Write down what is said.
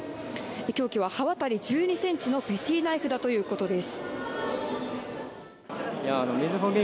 凶器は刃渡り１２ｃｍのペティナイフだということです。